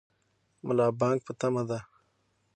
ملا بانګ په تمه دی.